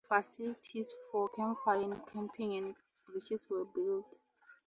Facilities for campfire and camping, and bridges were built.